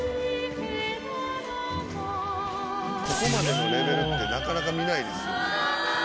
ここまでのレベルってなかなか見ないですよね。